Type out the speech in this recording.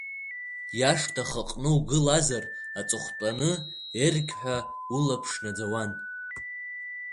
Иашҭа ахаҟны угылазар, аҵыхәаҟны еиргь ҳәа улаԥш наӡауан.